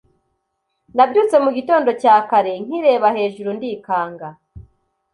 nabyutse mugitodo cyakare nkireba hejuru ndikanga